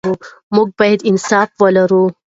موږ باید انصاف ولرو.